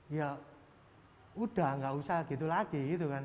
ya sudah tidak usah begitu lagi